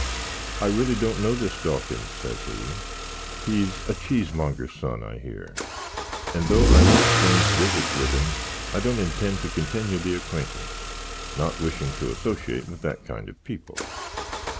"I really don't know this Dawkins," says he: "he's a chismonger's son, I hear; and tho I've exchanged visits with him, I doant intend to continyou the acquaintance, not wishin to assoshate with that kind of pipple."